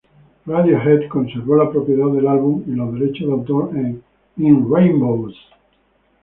Radiohead conservó la propiedad del álbum y los derechos de autor en "In Rainbows".